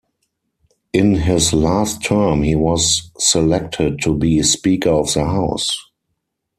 In his last term he was selected to be Speaker of the House.